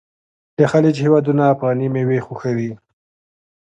د خلیج هیوادونه افغاني میوې خوښوي.